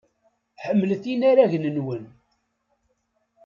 Ḥemmlet inaragen-nwen.